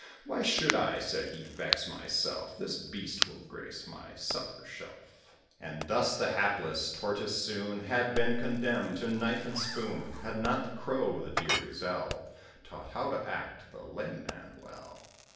"Why should I," said he, "vex myself? This beast will grace my supper shelf." And thus the hapless Tortoise soon Had been condemned to knife and spoon, Had not the Crow the dear Gazelle Taught how to act the lame man well.